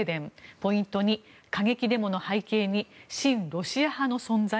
ポイント２、過激デモの背景に親ロシア派の存在？